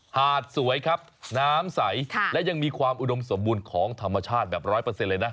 หาดสวยครับน้ำใสและยังมีความอุดมสมบูรณ์ของธรรมชาติแบบร้อยเปอร์เซ็นเลยนะ